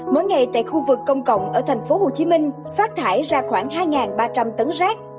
mỗi ngày tại khu vực công cộng ở tp hcm phát thải ra khoảng hai ba trăm linh tấn rác